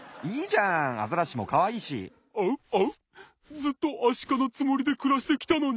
ずっとアシカのつもりでくらしてきたのに。